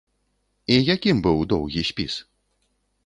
І якім быў доўгі спіс?